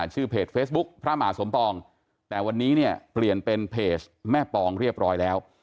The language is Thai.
ชื่อเพจเฟซบุ๊คพระมหาสมปองแต่วันนี้เนี่ยเปลี่ยนเป็นเพจแม่ปองเรียบร้อยแล้ว